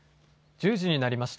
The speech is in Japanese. １０時になりました。